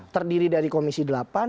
terdiri dari komisi delapan